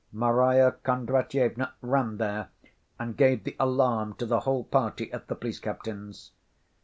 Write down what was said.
Marya Kondratyevna ran there and gave the alarm to the whole party at the police captain's.